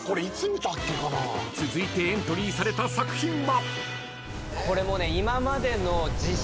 ［続いてエントリーされた作品は］